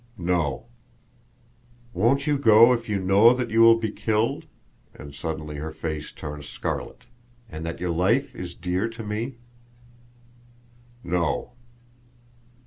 "No." "Won't you go if you know you will be killed," and suddenly her face turned scarlet, "and that your life is dear to me?" "No."